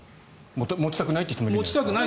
持ちたくないという人もいるから。